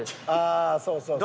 あそうそうそうそう。